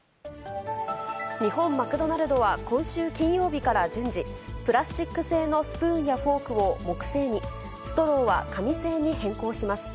日本マクドナルドは今週金曜日から順次、プラスチック製のスプーンやフォークを木製に、ストローは紙製に変更します。